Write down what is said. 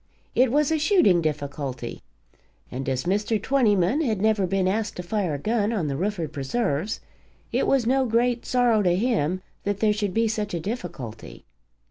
It was a shooting difficulty, and as Mr. Twentyman had never been asked to fire a gun on the Rufford preserves, it was no great sorrow to him that there should be such a difficulty.